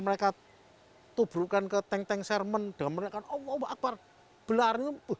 mereka tubuhkan ke teng teng sermen dengan merenakan allah wabar belar